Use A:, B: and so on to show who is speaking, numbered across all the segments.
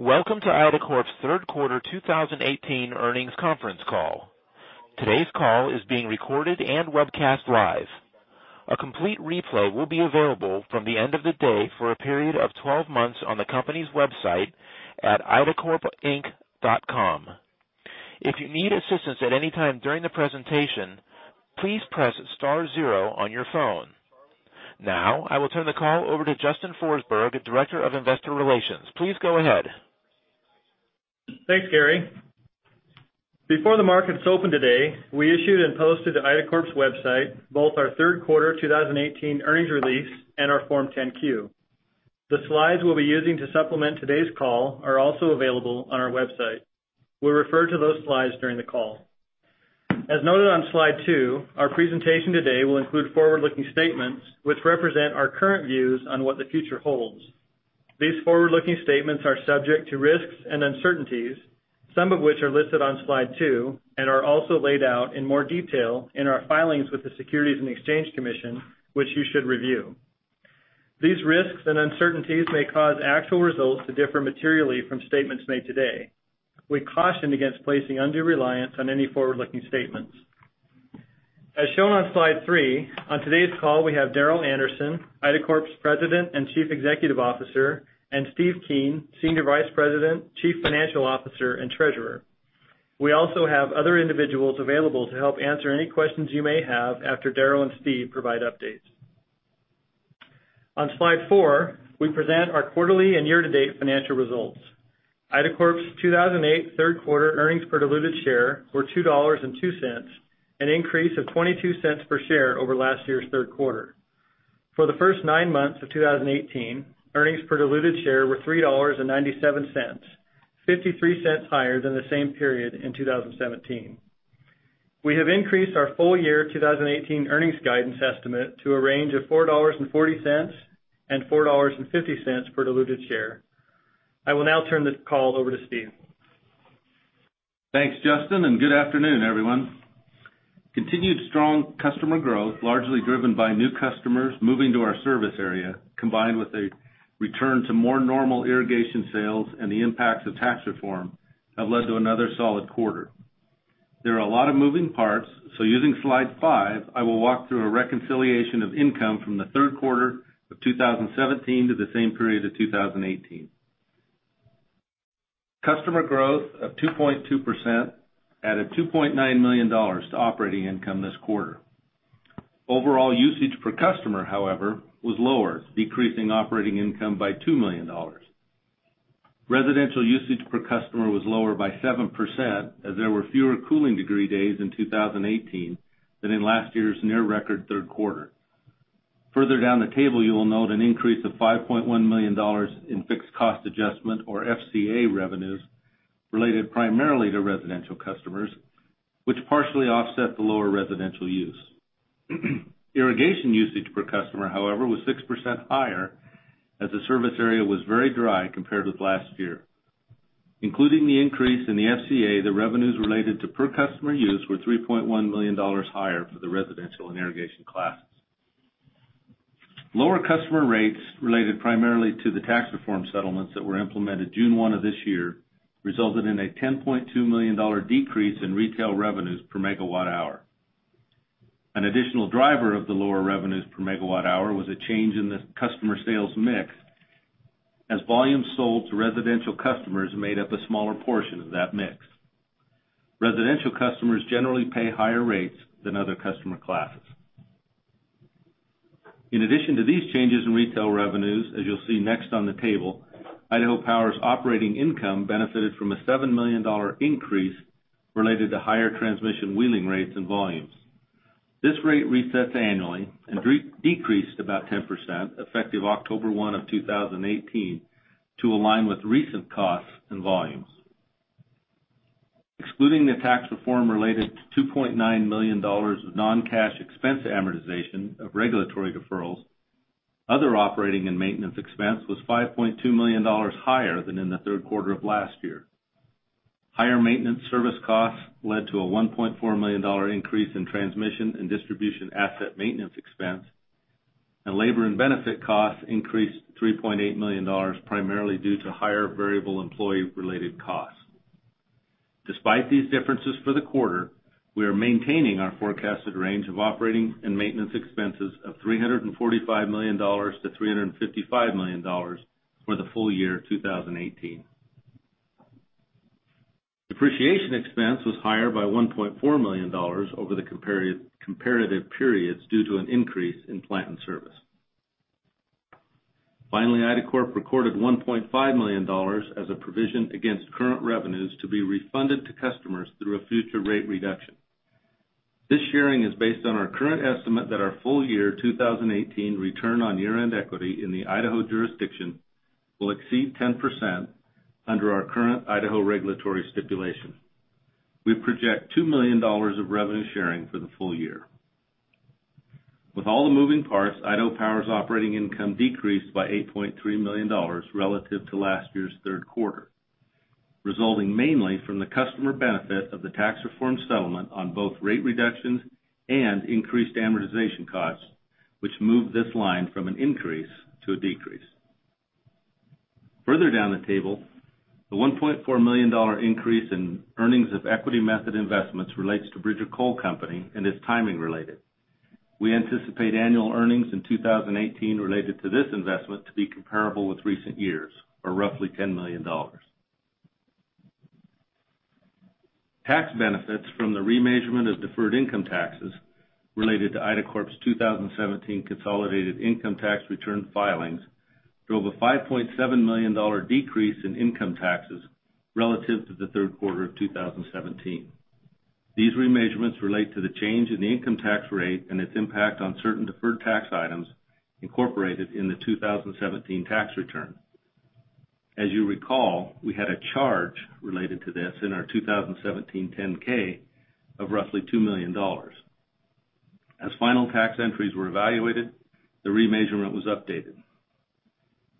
A: Welcome to IDACORP's third quarter 2018 earnings conference call. Today's call is being recorded and webcast live. A complete replay will be available from the end of the day for a period of 12 months on the company's website at idacorpinc.com. If you need assistance at any time during the presentation, please press star zero on your phone. I will now turn the call over to Justin Forsberg, Director of Investor Relations. Please go ahead.
B: Thanks, Gary. Before the markets opened today, we issued and posted to IDACORP's website both our third quarter 2018 earnings release and our Form 10-Q. The slides we will be using to supplement today's call are also available on our website. We will refer to those slides during the call. As noted on slide two, our presentation today will include forward-looking statements which represent our current views on what the future holds. These forward-looking statements are subject to risks and uncertainties, some of which are listed on slide two and are also laid out in more detail in our filings with the Securities and Exchange Commission, which you should review. These risks and uncertainties may cause actual results to differ materially from statements made today. We caution against placing undue reliance on any forward-looking statements. As shown on slide three, on today's call, we have Darrel Anderson, IDACORP's President and Chief Executive Officer, and Steve Keen, Senior Vice President, Chief Financial Officer, and Treasurer. We also have other individuals available to help answer any questions you may have after Darrel and Steve provide updates. On slide four, we present our quarterly and year-to-date financial results. IDACORP's 2018 third quarter earnings per diluted share were $2.02, an increase of $0.22 per share over last year's third quarter. For the first nine months of 2018, earnings per diluted share were $3.97, $0.53 higher than the same period in 2017. We have increased our full year 2018 earnings guidance estimate to a range of $4.40-$4.50 per diluted share. I will now turn this call over to Steve.
C: Thanks, Justin, and good afternoon, everyone. Continued strong customer growth, largely driven by new customers moving to our service area, combined with a return to more normal irrigation sales and the impacts of tax reform, have led to another solid quarter. There are a lot of moving parts, so using slide five, I will walk through a reconciliation of income from the third quarter of 2017 to the same period of 2018. Customer growth of 2.2% added $2.9 million to operating income this quarter. Overall usage per customer, however, was lower, decreasing operating income by $2 million. Residential usage per customer was lower by 7% as there were fewer cooling degree days in 2018 than in last year's near-record third quarter. Further down the table, you will note an increase of $5.1 million in fixed cost adjustment or FCA revenues related primarily to residential customers, which partially offset the lower residential use. Irrigation usage per customer, however, was 6% higher as the service area was very dry compared with last year. Including the increase in the FCA, the revenues related to per customer use were $3.1 million higher for the residential and irrigation classes. Lower customer rates related primarily to the tax reform settlements that were implemented June 1 of this year resulted in a $10.2 million decrease in retail revenues per megawatt hour. An additional driver of the lower revenues per megawatt hour was a change in the customer sales mix as volume sold to residential customers made up a smaller portion of that mix. Residential customers generally pay higher rates than other customer classes. In addition to these changes in retail revenues, as you'll see next on the table, Idaho Power's operating income benefited from a $7 million increase related to higher transmission wheeling rates and volumes. This rate resets annually and decreased about 10% effective October 1 of 2018 to align with recent costs and volumes. Excluding the tax reform related to $2.9 million of non-cash expense amortization of regulatory deferrals, other operating and maintenance expense was $5.2 million higher than in the third quarter of last year. Higher maintenance service costs led to a $1.4 million increase in transmission and distribution asset maintenance expense, and labor and benefit costs increased $3.8 million primarily due to higher variable employee-related costs. Despite these differences for the quarter, we are maintaining our forecasted range of operating and maintenance expenses of $345 million-$355 million for the full year 2018. Appreciation expense was higher by $1.4 million over the comparative periods due to an increase in plant and service. Finally, IDACORP recorded $1.5 million as a provision against current revenues to be refunded to customers through a future rate reduction. This sharing is based on our current estimate that our full year 2018 return on year-end equity in the Idaho jurisdiction will exceed 10% under our current Idaho regulatory stipulation. We project $2 million of revenue sharing for the full year. With all the moving parts, Idaho Power's operating income decreased by $8.3 million relative to last year's third quarter. Resulting mainly from the customer benefit of the tax reform settlement on both rate reductions and increased amortization costs, which moved this line from an increase to a decrease. Further down the table, the $1.4 million increase in earnings of equity method investments relates to Bridger Coal Company and is timing related. We anticipate annual earnings in 2018 related to this investment to be comparable with recent years or roughly $10 million. Tax benefits from the remeasurement of deferred income taxes related to IDACORP's 2017 consolidated income tax return filings drove a $5.7 million decrease in income taxes relative to the third quarter of 2017. These remeasurements relate to the change in the income tax rate and its impact on certain deferred tax items incorporated in the 2017 tax return. As you recall, we had a charge related to this in our 2017 10-K of roughly $2 million. As final tax entries were evaluated, the remeasurement was updated.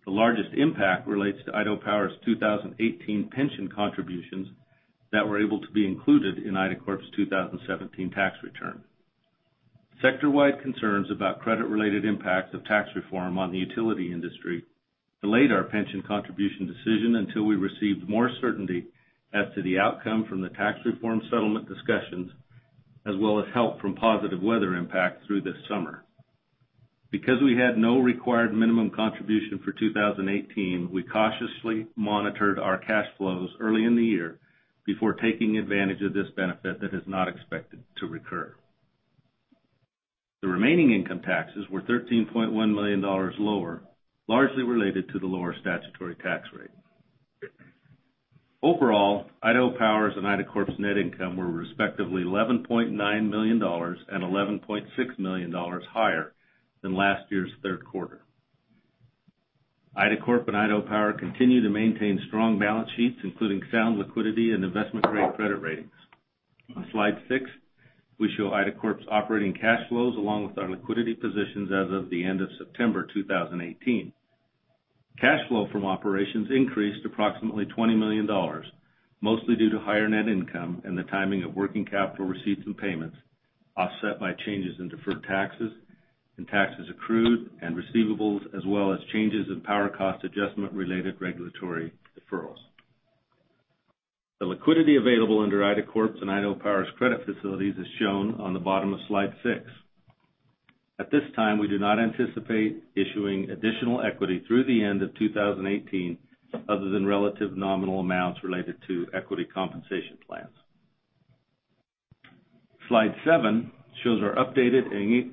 C: The largest impact relates to Idaho Power's 2018 pension contributions that were able to be included in IDACORP's 2017 tax return. Sector-wide concerns about credit-related impacts of tax reform on the utility industry delayed our pension contribution decision until we received more certainty as to the outcome from the tax reform settlement discussions, as well as help from positive weather impacts through this summer. Because we had no required minimum contribution for 2018, we cautiously monitored our cash flows early in the year before taking advantage of this benefit that is not expected to recur. The remaining income taxes were $13.1 million lower, largely related to the lower statutory tax rate. Overall, Idaho Power's and IDACORP's net income were respectively $11.9 million and $11.6 million higher than last year's third quarter. IDACORP and Idaho Power continue to maintain strong balance sheets, including sound liquidity and investment-grade credit ratings. On slide six, we show IDACORP's operating cash flows along with our liquidity positions as of the end of September 2018. Cash flow from operations increased approximately $20 million, mostly due to higher net income and the timing of working capital receipts and payments, offset by changes in deferred taxes and taxes accrued and receivables, as well as changes in power cost adjustment-related regulatory deferrals. The liquidity available under IDACORP's and Idaho Power's credit facilities is shown on the bottom of slide six. At this time, we do not anticipate issuing additional equity through the end of 2018 other than relative nominal amounts related to equity compensation plans. Slide seven shows our updated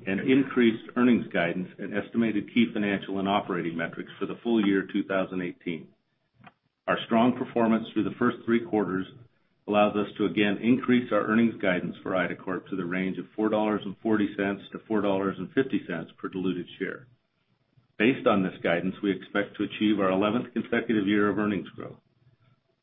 C: and increased earnings guidance and estimated key financial and operating metrics for the full year 2018. Our strong performance through the first three quarters allows us to again increase our earnings guidance for IDACORP to the range of $4.40-$4.50 per diluted share. Based on this guidance, we expect to achieve our 11th consecutive year of earnings growth.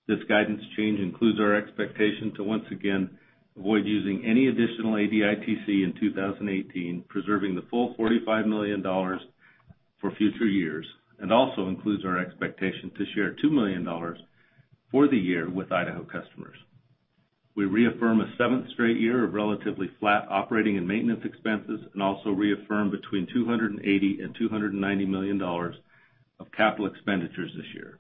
C: This guidance change includes our expectation to once again avoid using any additional ADITC in 2018, preserving the full $45 million for future years, and also includes our expectation to share $2 million for the year with Idaho customers. We reaffirm a seventh straight year of relatively flat operating and maintenance expenses and also reaffirm between $280 million and $290 million of capital expenditures this year.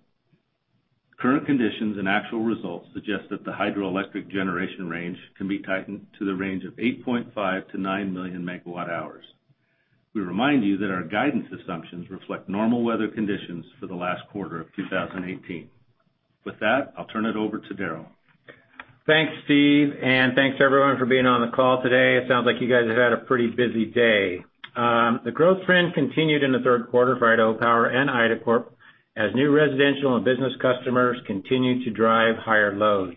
C: Current conditions and actual results suggest that the hydroelectric generation range can be tightened to the range of 8.5-9 million megawatt hours. We remind you that our guidance assumptions reflect normal weather conditions for the last quarter of 2018. With that, I'll turn it over to Darrel.
D: Thanks, Steve. Thanks to everyone for being on the call today. It sounds like you guys have had a pretty busy day. The growth trend continued in the third quarter for Idaho Power and IDACORP as new residential and business customers continued to drive higher loads.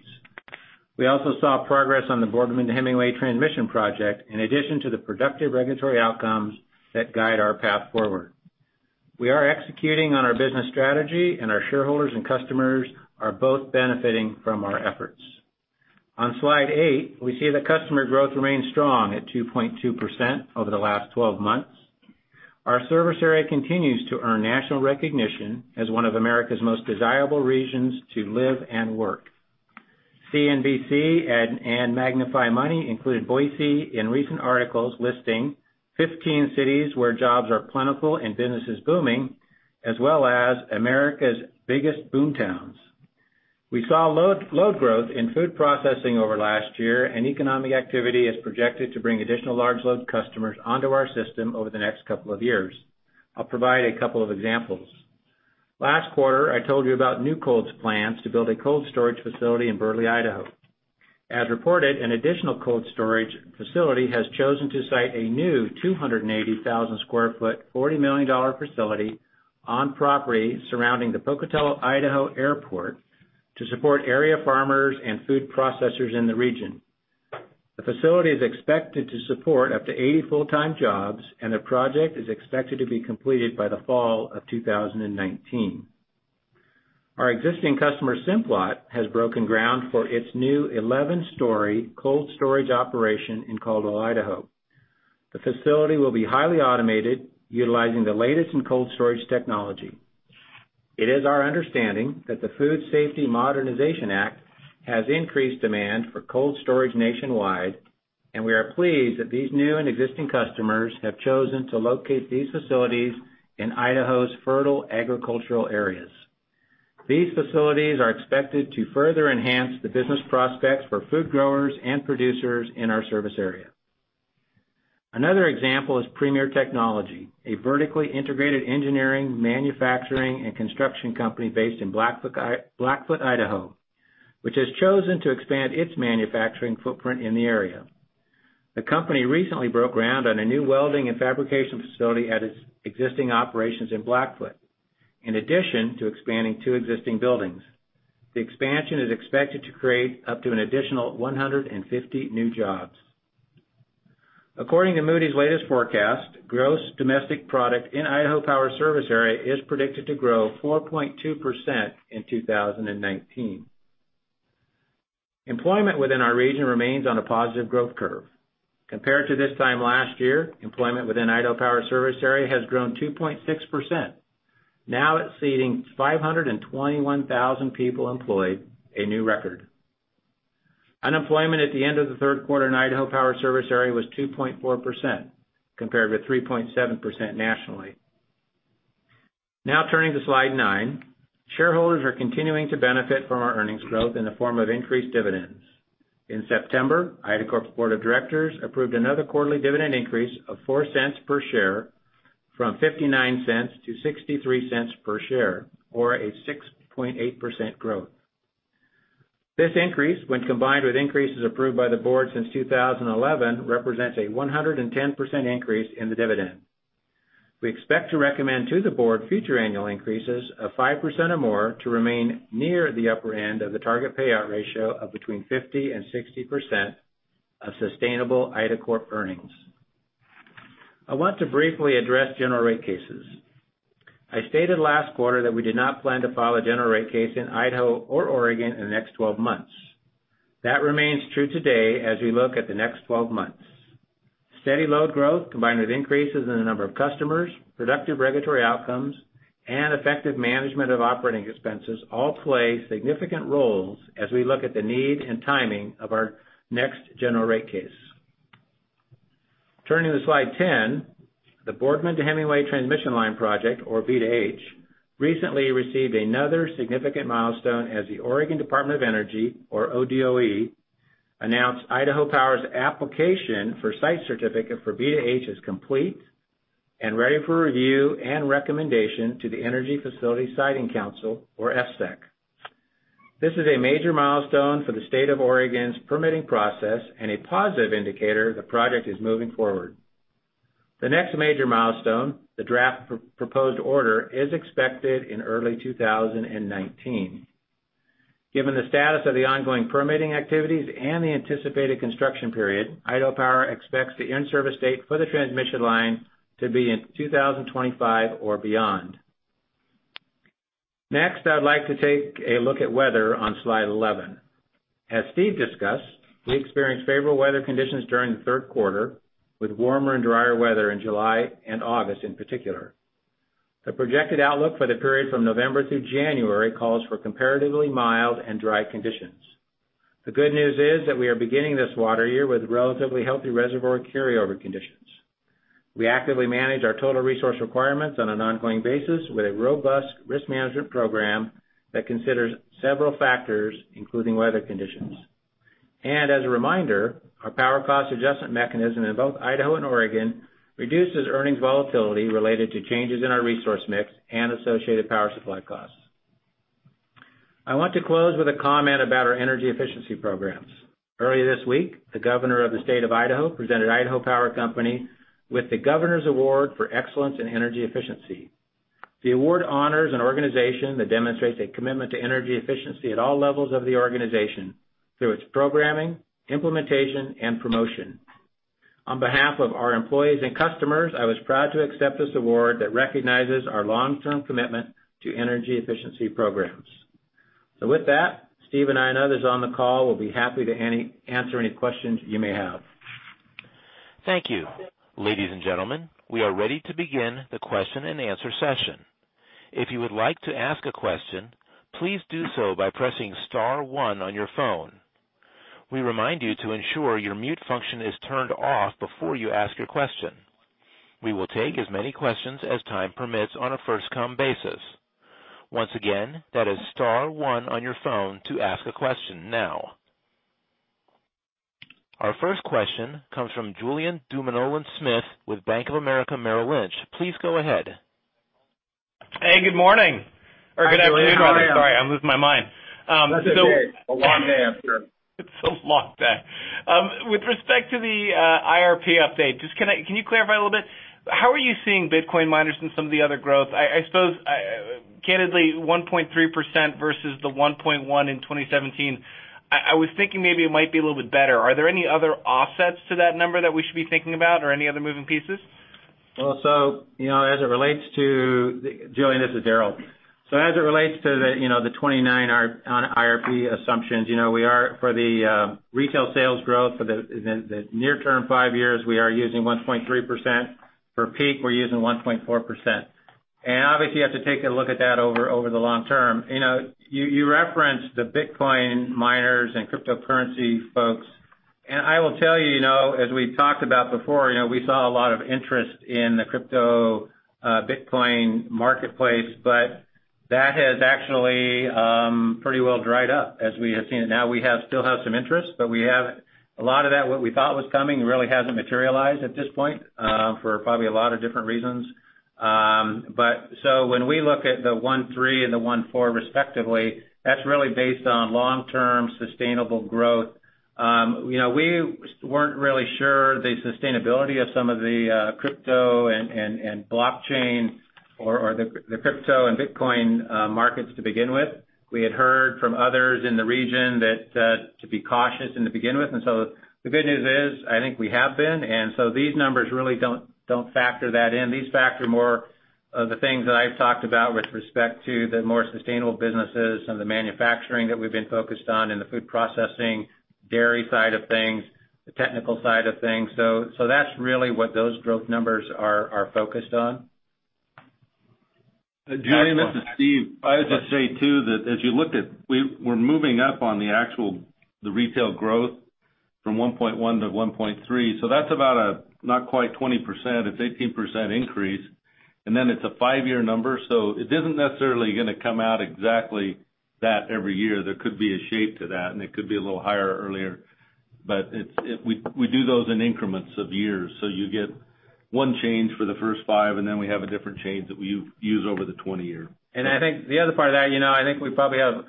D: We also saw progress on the Boardman to Hemingway transmission project, in addition to the productive regulatory outcomes that guide our path forward. We are executing on our business strategy, and our shareholders and customers are both benefiting from our efforts. On slide eight, we see that customer growth remains strong at 2.2% over the last 12 months. Our service area continues to earn national recognition as one of America's most desirable regions to live and work. CNBC and MagnifyMoney included Boise in recent articles listing 15 cities where jobs are plentiful and businesses booming, as well as America's biggest boom towns. We saw load growth in food processing over last year. Economic activity is projected to bring additional large load customers onto our system over the next couple of years. I'll provide a couple of examples. Last quarter, I told you about NewCold's plans to build a cold storage facility in Burley, Idaho. As reported, an additional cold storage facility has chosen to site a new 280,000 sq ft, $40 million facility on property surrounding the Pocatello, Idaho Airport to support area farmers and food processors in the region. The facility is expected to support up to 80 full-time jobs, and the project is expected to be completed by the fall of 2019. Our existing customer, Simplot, has broken ground for its new 11-story cold storage operation in Caldwell, Idaho. The facility will be highly automated, utilizing the latest in cold storage technology. It is our understanding that the Food Safety Modernization Act has increased demand for cold storage nationwide. We are pleased that these new and existing customers have chosen to locate these facilities in Idaho's fertile agricultural areas. These facilities are expected to further enhance the business prospects for food growers and producers in our service area. Another example is Premier Technology, a vertically integrated engineering, manufacturing, and construction company based in Blackfoot, Idaho, which has chosen to expand its manufacturing footprint in the area. The company recently broke ground on a new welding and fabrication facility at its existing operations in Blackfoot, in addition to expanding two existing buildings. The expansion is expected to create up to an additional 150 new jobs. According to Moody's latest forecast, gross domestic product in Idaho Power service area is predicted to grow 4.2% in 2019. Employment within our region remains on a positive growth curve. Compared to this time last year, employment within Idaho Power service area has grown 2.6%, now exceeding 521,000 people employed, a new record. Unemployment at the end of the third quarter in Idaho Power service area was 2.4%, compared with 3.7% nationally. Turning to slide nine. Shareholders are continuing to benefit from our earnings growth in the form of increased dividends. In September, IDACORP Board of Directors approved another quarterly dividend increase of $0.04 per share from $0.59 to $0.63 per share or a 6.8% growth. This increase, when combined with increases approved by the Board since 2011, represents a 110% increase in the dividend. We expect to recommend to the Board future annual increases of 5% or more to remain near the upper end of the target payout ratio of between 50% and 60% of sustainable IDACORP earnings. I want to briefly address general rate cases. I stated last quarter that we did not plan to file a general rate case in Idaho or Oregon in the next 12 months. That remains true today as we look at the next 12 months. Steady load growth, combined with increases in the number of customers, productive regulatory outcomes, and effective management of operating expenses all play significant roles as we look at the need and timing of our next general rate case. Turning to slide 10, the Boardman to Hemingway transmission line project, or B to H, recently received another significant milestone as the Oregon Department of Energy, or ODOE, announced Idaho Power's application for site certificate for B to H is complete and ready for review and recommendation to the Energy Facility Siting Council, or EFSC. This is a major milestone for the state of Oregon's permitting process and a positive indicator the project is moving forward. The next major milestone, the draft proposed order, is expected in early 2019. Given the status of the ongoing permitting activities and the anticipated construction period, Idaho Power expects the in-service date for the transmission line to be in 2025 or beyond. Next, I'd like to take a look at weather on slide 11. As Steve discussed, we experienced favorable weather conditions during the third quarter with warmer and drier weather in July and August in particular. The projected outlook for the period from November through January calls for comparatively mild and dry conditions. The good news is that we are beginning this water year with relatively healthy reservoir carryover conditions. We actively manage our total resource requirements on an ongoing basis with a robust risk management program that considers several factors, including weather conditions. As a reminder, our power cost adjustment mechanism in both Idaho and Oregon reduces earnings volatility related to changes in our resource mix and associated power supply costs. I want to close with a comment about our energy efficiency programs. Earlier this week, the Governor of the State of Idaho presented Idaho Power Company with the Governor's Award for Excellence in Energy Efficiency. The award honors an organization that demonstrates a commitment to energy efficiency at all levels of the organization through its programming, implementation, and promotion. On behalf of our employees and customers, I was proud to accept this award that recognizes our long-term commitment to energy efficiency programs. With that, Steve and I and others on the call will be happy to answer any questions you may have.
A: Thank you. Ladies and gentlemen, we are ready to begin the question and answer session. If you would like to ask a question, please do so by pressing star one on your phone. We remind you to ensure your mute function is turned off before you ask your question. We will take as many questions as time permits on a first-come basis. Once again, that is star one on your phone to ask a question now. Our first question comes from Julien Dumoulin-Smith with Bank of America Merrill Lynch. Please go ahead.
E: Hey, good morning. Or good afternoon, rather. Sorry, I'm losing my mind.
D: That's okay. A long day, I'm sure.
E: It's a long day. With respect to the IRP update, can you clarify a little bit? How are you seeing Bitcoin miners and some of the other growth? I suppose, candidly, 1.3% versus the 1.1 in 2017, I was thinking maybe it might be a little bit better. Are there any other offsets to that number that we should be thinking about or any other moving pieces?
D: Julien, this is Darrel. As it relates to the 29 on IRP assumptions, for the retail sales growth for the near term five years, we are using 1.3%. For peak, we're using 1.4%. Obviously, you have to take a look at that over the long term. You referenced the Bitcoin miners and cryptocurrency folks, I will tell you, as we've talked about before, we saw a lot of interest in the crypto Bitcoin marketplace, that has actually pretty well dried up as we have seen it. We still have some interest, a lot of that, what we thought was coming, really hasn't materialized at this point, for probably a lot of different reasons. When we look at the 1.3 and the 1.4 respectively, that's really based on long-term sustainable growth. We weren't really sure the sustainability of some of the crypto and blockchain, or the crypto and Bitcoin markets to begin with. We had heard from others in the region to be cautious in the beginning with. The good news is, I think we have been. These numbers really don't factor that in. These factor more of the things that I've talked about with respect to the more sustainable businesses and the manufacturing that we've been focused on in the food processing, dairy side of things, the technical side of things. That's really what those growth numbers are focused on.
C: Julien, this is Steve. I would just say, too, that as you looked at, we're moving up on the actual retail growth from 1.1 to 1.3. That's about a not quite 20%, it's 18% increase, and then it's a five-year number. It isn't necessarily going to come out exactly that every year. There could be a shape to that, and it could be a little higher earlier. We do those in increments of years, so you get one change for the first five, and then we have a different change that we use over the 20-year.
D: I think the other part of that, I think we probably have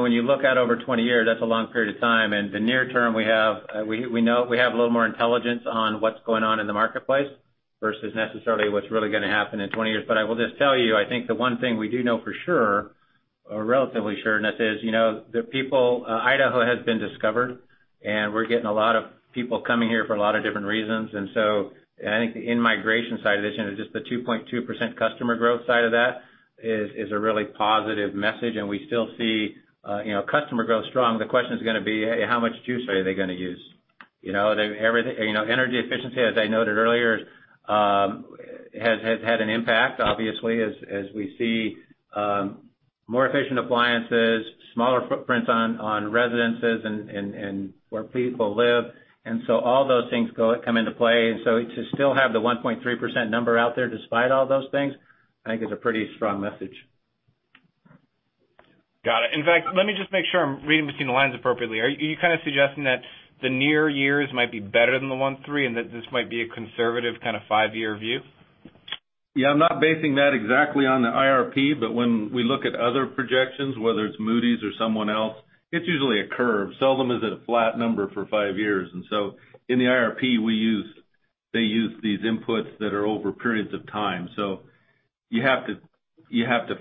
D: when you look out over 20 years, that's a long period of time. The near term, we have a little more intelligence on what's going on in the marketplace versus necessarily what's really going to happen in 20 years. I will just tell you, I think the one thing we do know for sure or relatively sure, and that is Idaho has been discovered, and we're getting a lot of people coming here for a lot of different reasons. I think the in-migration side of this, and it's just the 2.2% customer growth side of that, is a really positive message, and we still see customer growth strong. The question is going to be, how much juice are they going to use? Energy efficiency, as I noted earlier, has had an impact, obviously, as we see more efficient appliances, smaller footprints on residences and where people live. All those things come into play. To still have the 1.3% number out there despite all those things, I think is a pretty strong message.
E: Got it. In fact, let me just make sure I'm reading between the lines appropriately. Are you kind of suggesting that the near years might be better than the 1-3, and that this might be a conservative kind of 5-year view?
C: Yeah, I'm not basing that exactly on the IRP, when we look at other projections, whether it's Moody's or someone else, it's usually a curve. Seldom is it a flat number for 5 years. In the IRP, they use these inputs that are over periods of time. You have to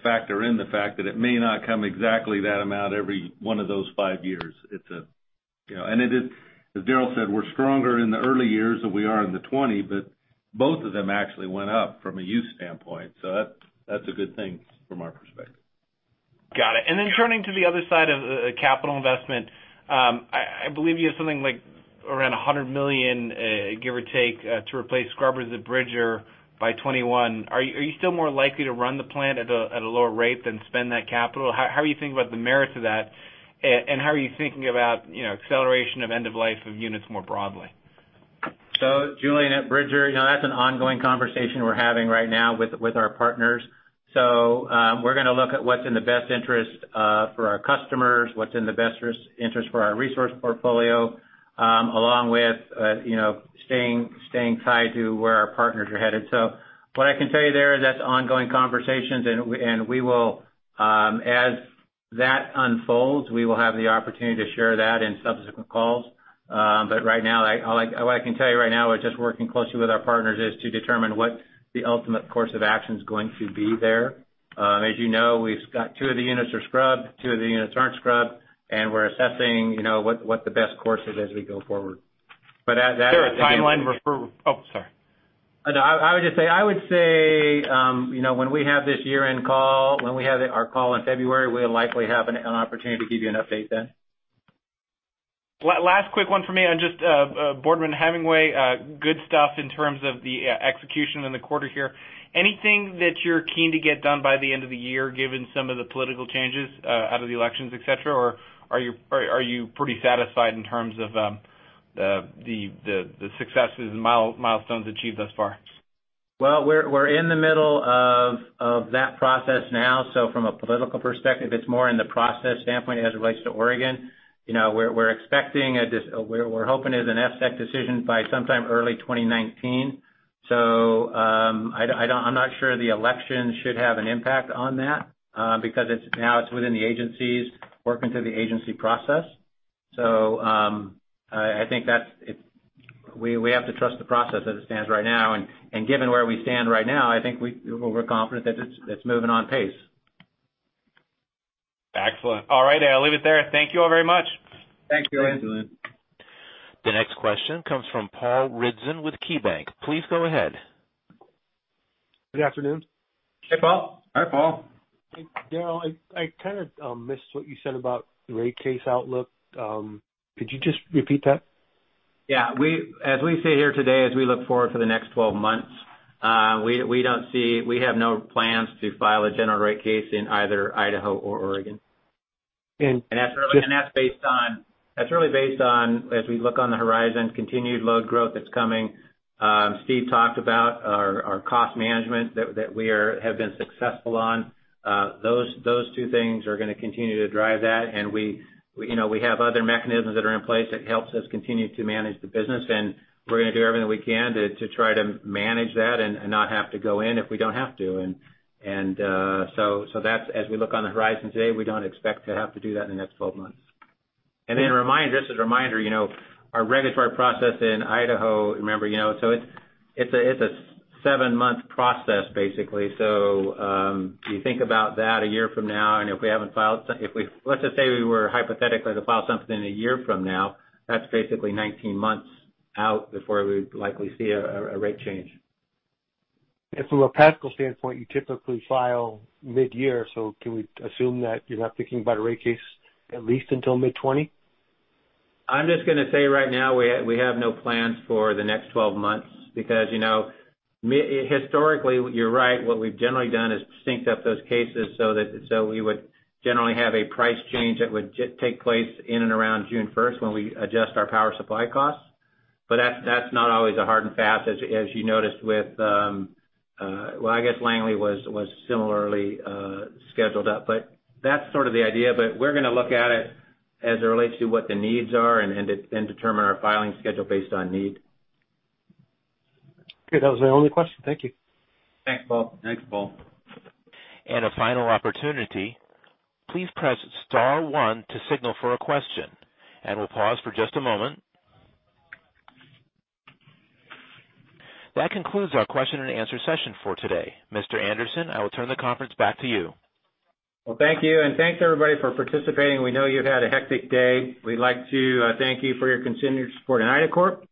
C: factor in the fact that it may not come exactly that amount every one of those 5 years. As Darrel said, we're stronger in the early years than we are in the 20, both of them actually went up from a use standpoint. That's a good thing from our perspective.
E: Got it. Turning to the other side of the capital investment, I believe you have something like around $100 million, give or take, to replace scrubbers at Bridger by 2021. Are you still more likely to run the plant at a lower rate than spend that capital? How are you thinking about the merits of that, and how are you thinking about acceleration of end of life of units more broadly?
D: Julien, at Bridger, that's an ongoing conversation we're having right now with our partners. We're going to look at what's in the best interest for our customers, what's in the best interest for our resource portfolio, along with staying tied to where our partners are headed. What I can tell you there is that's ongoing conversations, and as that unfolds, we will have the opportunity to share that in subsequent calls. What I can tell you right now is just working closely with our partners is to determine what the ultimate course of action is going to be there. As you know, we've got two of the units are scrubbed, two of the units aren't scrubbed, and we're assessing what the best course is as we go forward.
E: Is there a timeline for? Sorry.
D: I would just say, when we have this year-end call, when we have our call in February, we'll likely have an opportunity to give you an update then.
E: Last quick one for me on just Boardman to Hemingway. Good stuff in terms of the execution in the quarter here. Anything that you're keen to get done by the end of the year, given some of the political changes out of the elections, et cetera? Are you pretty satisfied in terms of the successes and milestones achieved thus far?
D: We're in the middle of that process now. From a political perspective, it's more in the process standpoint as it relates to Oregon. We're hoping there's an EFSC decision by sometime early 2019. I'm not sure the election should have an impact on that because now it's within the agencies, working through the agency process. I think we have to trust the process as it stands right now. Given where we stand right now, I think we're confident that it's moving on pace.
E: Excellent. All right. I'll leave it there. Thank you all very much.
D: Thanks, Julien.
C: Thanks, Julien.
A: The next question comes from Paul Ridzon with KeyBanc. Please go ahead.
F: Good afternoon.
D: Hey, Paul.
C: Hi, Paul.
F: Darrel, I kind of missed what you said about rate case outlook. Could you just repeat that?
D: Yeah. As we sit here today, as we look forward to the next 12 months, we have no plans to file a general rate case in either Idaho or Oregon. That's really based on, as we look on the horizon, continued load growth that's coming. Steve talked about our cost management that we have been successful on. Those two things are going to continue to drive that, we have other mechanisms that are in place that helps us continue to manage the business, we're going to do everything we can to try to manage that and not have to go in if we don't have to. As we look on the horizon today, we don't expect to have to do that in the next 12 months. Just a reminder, our regulatory process in Idaho, remember, it's a seven-month process, basically. You think about that one year from now. Let's just say we were hypothetically to file something one year from now, that's basically 19 months out before we would likely see a rate change.
F: From a practical standpoint, you typically file mid-year, can we assume that you're not thinking about a rate case at least until mid 2020?
D: I'm just going to say right now, we have no plans for the next 12 months because historically, you're right, what we've generally done is synced up those cases we would generally have a price change that would take place in and around June 1st when we adjust our power supply costs. That's not always a hard and fast, as you noticed with, well, I guess Langley was similarly scheduled up, that's sort of the idea. We're going to look at it as it relates to what the needs are and determine our filing schedule based on need.
F: Okay. That was my only question. Thank you.
D: Thanks, Paul.
C: Thanks, Paul.
A: A final opportunity, please press *1 to signal for a question. We'll pause for just a moment. That concludes our question and answer session for today. Mr. Anderson, I will turn the conference back to you.
D: Thank you, and thanks, everybody, for participating. We know you've had a hectic day. We'd like to thank you for your continued support in IDACORP,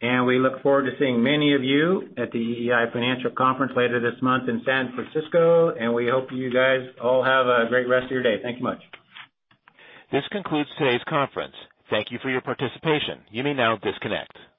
D: and we look forward to seeing many of you at the EEI Financial Conference later this month in San Francisco, and we hope you guys all have a great rest of your day. Thank you much.
A: This concludes today's conference. Thank you for your participation. You may now disconnect.